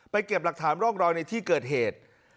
เก็บหลักฐานร่องรอยในที่เกิดเหตุ